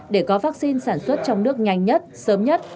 để có vaccine sản xuất trong nước nhanh nhất sớm nhất